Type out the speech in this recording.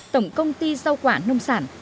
tổng công ty rau quả nông sản